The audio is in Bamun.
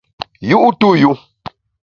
Yu’ tu yu.